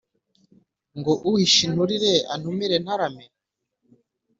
ngo uhishe inturire untumire ntarame?